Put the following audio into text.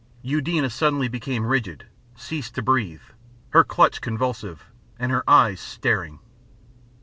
Eudena suddenly became rigid, ceased to breathe, her clutch convulsive, and her eyes starting.